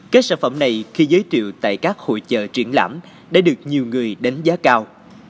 các sản phẩm này khi giới thiệu tại các hội trợ triển lãm đã được nhiều người đánh giá cao